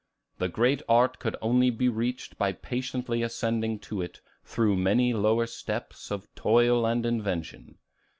The great art could only be reached by patiently ascending to it through many lower steps of toil and invention.